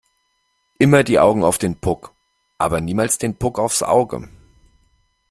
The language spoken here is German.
Immer die Augen auf den Puck aber niemals den Puck aufs Auge!